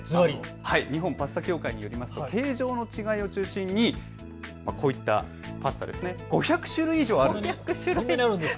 日本パスタ協会によると形状の違いを中心にこういったパスタ５００種類以上あるそうです。